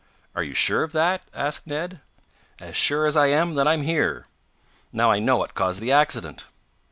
"Are you sure of that?" asked Ned. "As sure as I am that I'm here! Now I know what caused the accident!"